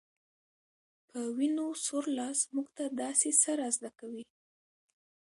په وينو سور لاس موږ ته داسې څه را زده کوي